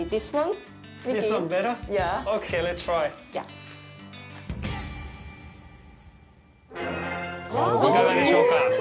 いかがでしょうか。